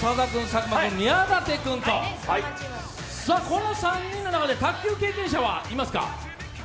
この３人の中で卓球経験者はいますか？